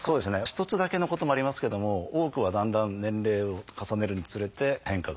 一つだけのこともありますけども多くはだんだん年齢を重ねるにつれて変化が起きて。